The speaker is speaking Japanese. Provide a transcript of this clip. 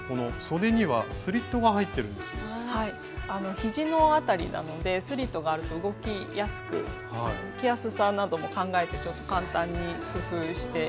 ひじの辺りなのでスリットがあると動きやすく着やすさなども考えて簡単に工夫してみました。